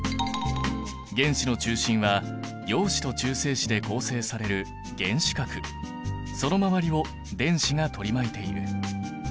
原子の中心は陽子と中性子で構成される原子核その周りを電子が取り巻いている。